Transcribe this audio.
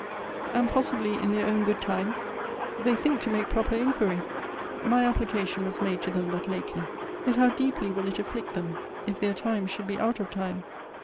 and possibly, in their own good time, they think to make proper inquiry. My application was made to them but lately. Yet how deeply will it afflict them, if their time should be out of time!